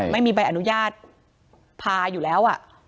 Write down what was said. ไม่มีใบอนุญาตพาอยู่แล้ว